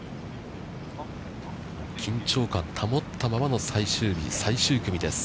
緊張感保ったままの最終日最終組です。